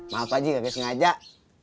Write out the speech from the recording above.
maaf aja gak biasa ngajak